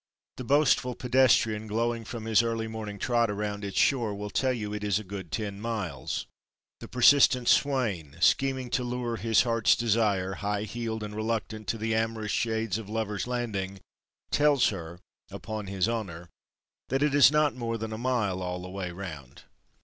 The boastful pedestrian, glowing from his early morning trot around its shore will tell you it is a good ten miles. The persistent swain, scheming to lure his Heart's Desire, high heeled and reluctant, to the amorous shades of "Lover's Landing," tells her, upon his honor, that it is not more than a mile all the way round.